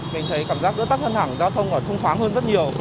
mình thấy cảm giác đỡ tắt hơn hẳn giao thông còn thông khoáng hơn rất nhiều